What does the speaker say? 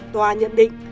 tòa nhận định